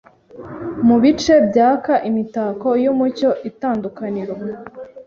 Mubice byaka Imitako yumucyo Itandukaniro